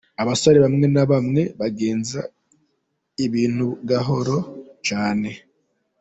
Abasore bamwe na bamwe bagenza ibintu gahoro cyane.